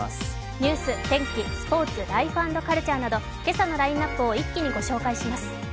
ニュース、天気、スポーツ、ライフ＆カルチャーなど今朝のラインナップを一気にご紹介します。